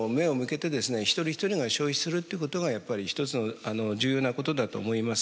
一人一人が消費するってことがやっぱり一つの重要なことだと思います。